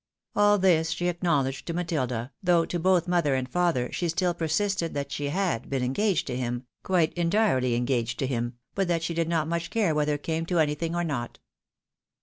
All this she acknowledged to Matilda, though to both mother and father she still persisted that she had been engaged to him, quite entirely engaged to him, but that she did not much care whether it came to anything or not.